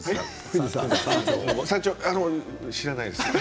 山頂知らないです。